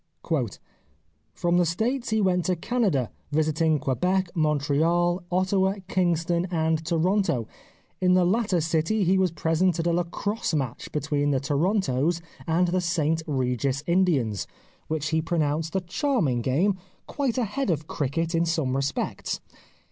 " From the States he went to Canada, visiting Quebec, Montreal, Ottawa, Kingston, and Tor onto ; in the latter city he was present at a Lacrosse match between the Torontos and the St Regis Indians, which he pronounced a charm ing game, quite ahead of cricket in some respects.